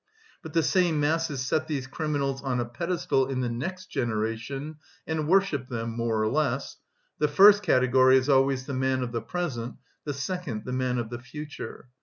But the same masses set these criminals on a pedestal in the next generation and worship them (more or less). The first category is always the man of the present, the second the man of the future.